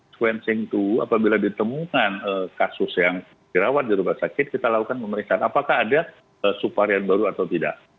sequencing itu apabila ditemukan kasus yang dirawat di rumah sakit kita lakukan pemeriksaan apakah ada subvarian baru atau tidak